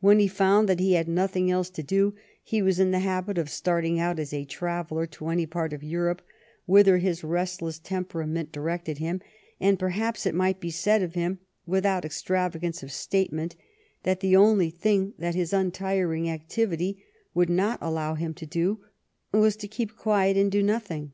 When he found that he had nothing else to do he was in the habit of starting out as a traveller to any part of Europe whither his restless temperament directed him, and perhaps it might be said of him, without extravagance of statement, that the only thing that his untiring activity would not allow him to do was to keep quiet and do nothing.